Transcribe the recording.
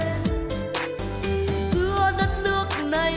giữa đất nước này